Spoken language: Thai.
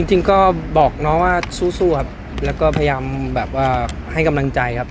จริงก็บอกน้องว่าสู้ครับแล้วก็พยายามแบบว่าให้กำลังใจครับ